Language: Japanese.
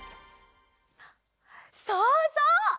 そうそう！